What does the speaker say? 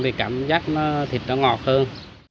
thì cảm giác thịt nó ngọt hơn